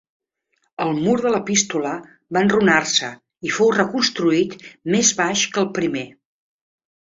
El mur de l'epístola va enrunar-se i fou reconstruït més baix que el primer.